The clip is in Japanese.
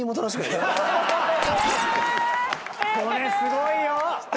これすごいよ！